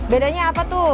bedanya apa tuh